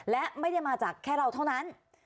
และไม่ได้มาจากแค่เราเท่านั้น